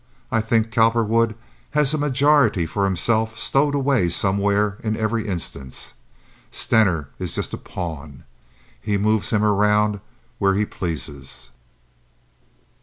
I think Cowperwood has a majority for himself stowed away somewhere in every instance. Stener is just a pawn. He moves him around where he pleases."